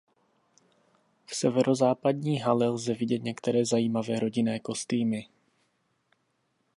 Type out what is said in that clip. V "Severozápadní hale" lze vidět některé zajímavé rodinné kostýmy.